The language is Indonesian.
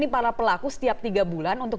para pelaku setiap tiga bulan untuk